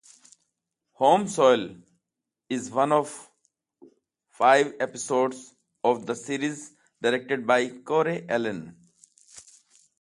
"Home Soil" is one of five episodes of the series directed by Corey Allen.